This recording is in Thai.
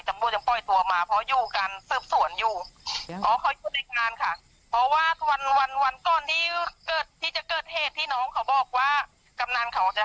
จะทำประกัน